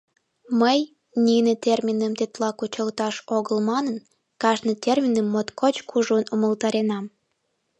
Мый, нине терминым тетла кучылташ огыл манын, кажне терминым моткоч кужун умылтаренам.